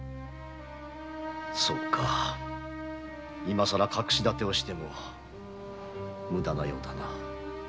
そうか今更隠しだてをしても無駄のようだな。